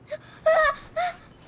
ああ。